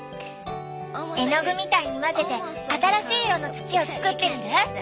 絵の具みたいに混ぜて新しい色の土を作ってみる？